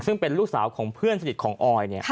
ซึ่งเป็นลูกสาวของเพื่อนสนิทของออย